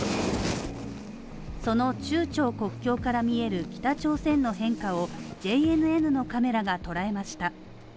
その中朝国境から見える北朝鮮の変化を、ＪＮＮのカメラが捉えました。